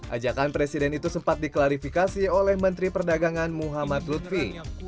ajakan presiden itu sempat diklarifikasi oleh menteri perdagangan muhammad lutfi